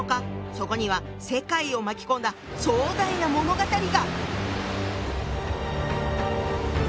そこには世界を巻き込んだ壮大な物語が！